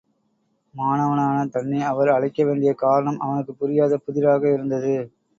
மாணவனான தன்னை அவர் அழைக்க வேண்டிய காரணம் அவனுக்குப் புரியாத புதிராகவே இருந்தது.